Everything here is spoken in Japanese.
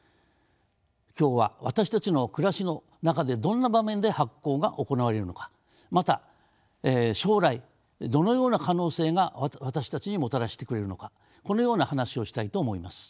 今日は私たちの暮らしの中でどんな場面で発酵が行われるのかまた将来どのような可能性が私たちにもたらしてくれるのかこのような話をしたいと思います。